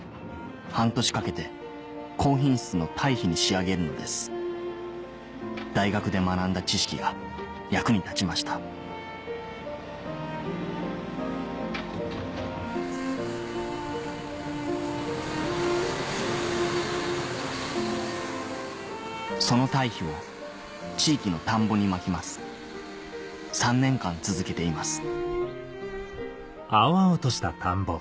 半年かけて高品質の堆肥に仕上げるのです大学で学んだ知識が役に立ちましたその堆肥を地域の田んぼにまきます３年間続けています